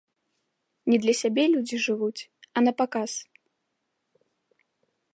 Не для сябе людзі жывуць, а напаказ.